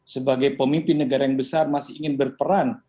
sebagai pemimpin negara yang besar masih ingin berperan